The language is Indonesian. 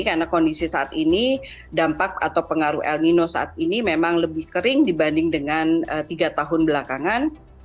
karena kondisi saat ini dampak atau pengaruh el nino saat ini memang lebih kering dibanding dengan tiga tahun belakangan